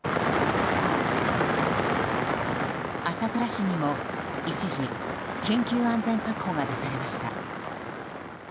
朝倉市にも一時、緊急安全確保が出されました。